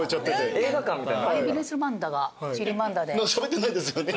しゃべってないですよね